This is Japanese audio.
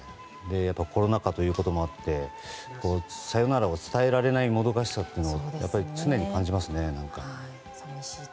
コロナ禍ということもあってさよならを伝えられないもどかしさを常に感じますね。